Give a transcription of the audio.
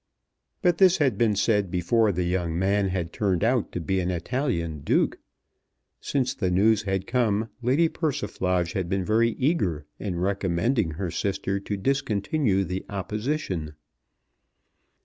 But this had been said before the young man had turned out to be an Italian Duke. Since the news had come Lady Persiflage had been very eager in recommending her sister to discontinue the opposition.